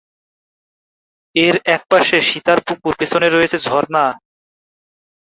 এর একপাশে সীতার পুকুর, পেছনে রয়েছে ঝরনা।